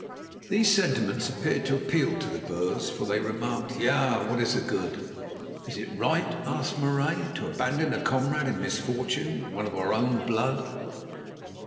These sentiments appeared to appeal to the Boers, for they remarked: "Ja, what is the good?" "Is it right," asked Marais, "to abandon a comrade in misfortune, one of our own blood?"